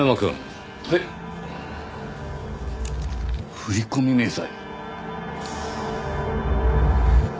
振り込み明細。